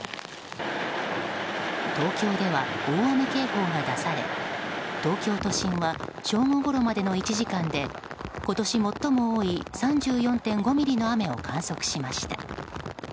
東京では大雨警報が出され東京都心は正午ごろまでの１時間で今年最も多い３４．５ミリの雨を観測しました。